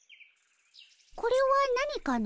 これは何かの？